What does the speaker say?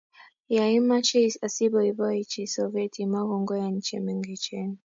ya imeche asiboiboichi sobet imwa kongoi eng' che mengechen